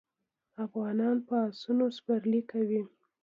افغانان په اسونو سپرلي کوي.